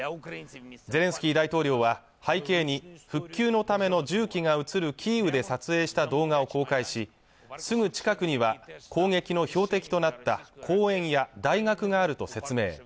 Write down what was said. ゼレンスキー大統領は背景に復旧のための重機が映るキーウで撮影した動画を公開しすぐ近くには攻撃の標的となった公園や大学があると説明